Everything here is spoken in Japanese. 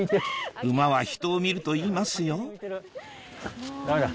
馬は人を見るといいますよダメだ。